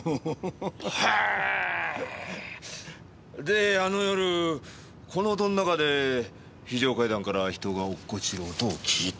であの夜この音の中で非常階段から人が落っこちる音を聞いたと。